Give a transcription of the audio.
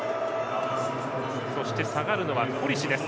下がるのはコリシです。